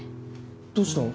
どうしたん？